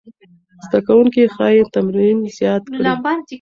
زده کوونکي ښايي تمرین زیات کړي.